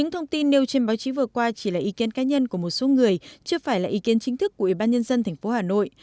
thông tin nêu trên báo chí vừa qua chỉ là ý kiến cá nhân của một số người chưa phải là ý kiến chính thức của ủy ban nhân dân tp hà nội